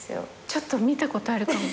ちょっと見たことあるかも。